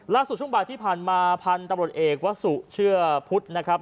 ล่าสุดช่วงบาทที่พันธุ์มาพันธุ์ตำรวจเอกว่าสุเชื่อพุทธนะครับ